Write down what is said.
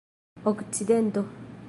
okcidento